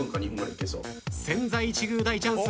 千載一遇大チャンス。